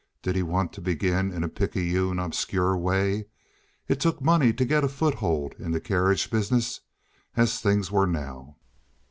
Did he want to begin in a picayune, obscure way? It took money to get a foothold in the carriage business as things were now.